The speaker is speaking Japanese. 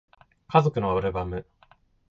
家族のアルバム